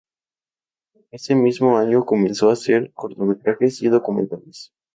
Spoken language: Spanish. Ese mismo año comenzó a hacer cortometrajes y documentales.